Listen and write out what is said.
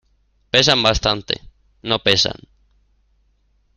pesan bastante. no pesan .